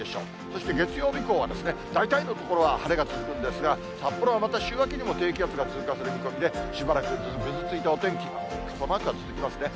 そして、月曜日以降は大体の所は晴れが続くんですが、札幌はまた週明けにも低気圧が通過する見込みで、しばらくぐずついたお天気、傘マークが続きますね。